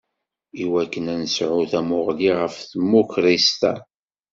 Iwakken ad nesɛu tamuɣli ɣef tmukrist-a.